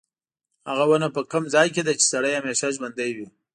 هغه ونه په کوم ځای کې ده چې سړی همیشه ژوندی وي.